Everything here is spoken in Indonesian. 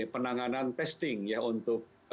penanganan testing ya untuk